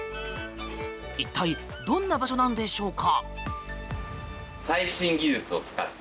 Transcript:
一体どんな場所なのでしょうか。